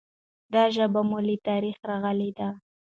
دا ژبه مو له تاریخه راغلي ده.